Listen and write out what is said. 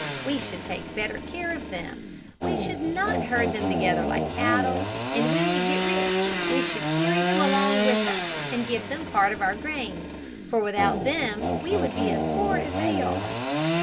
We should take better care of them, we should not herd them together like cattle, and when we get rich, we should carry them along with us, and give them a part of our gains, for without them we would be as poor as they are."